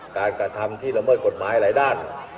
กระทำที่ละเมิดกฎหมายหลายด้าน